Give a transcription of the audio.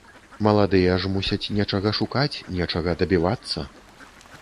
Маладыя ж мусяць нечага шукаць, нечага дабівацца.